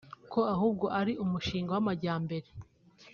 ko ahubwo ari umushinga w’amajyambere